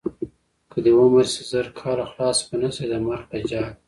که دې عمر شي زر کاله خلاص به نشې د مرګ له جاله.